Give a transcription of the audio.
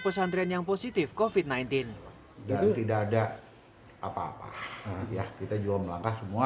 pesantren yang positif kofit sembilan belas dan tidak ada apa apa ya kita juga melangkah semua